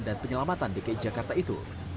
dan penyelamatan dki jakarta itu